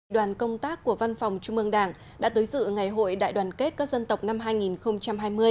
đoàn công tác của văn phòng trung mương đảng đã tới dự ngày hội đại đoàn kết các dân tộc năm hai nghìn hai mươi